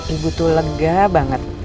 ibu tuh lega banget